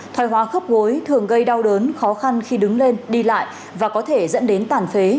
thoai hoa khớp gối thường gây đau đớn khó khăn khi đứng lên đi lại và có thể dẫn đến tàn phế